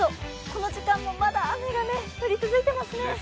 この時間もまだ雨が降り続いていますね。